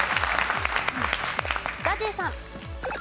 ＺＡＺＹさん。